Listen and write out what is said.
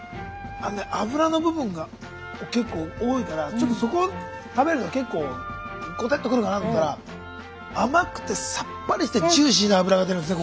あのね脂の部分が結構多いからちょっとそこ食べると結構こてっとくるかなと思ったら甘くてさっぱりしてジューシーな脂が出るんですね